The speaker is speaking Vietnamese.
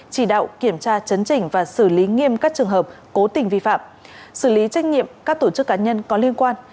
chỉ đạo kiểm tra chấn chỉnh và xử lý nghiêm các trường hợp cố tình vi phạm xử lý trách nhiệm các tổ chức cá nhân có liên quan